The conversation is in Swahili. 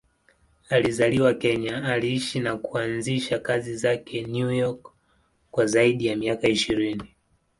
Alizaliwa Kenya, aliishi na kuanzisha kazi zake New York kwa zaidi ya miaka ishirini.